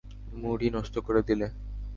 মুডই নষ্ট করে দিলে।